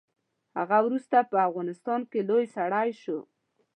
هغه وروسته په افغانستان کې لوی سړی شو.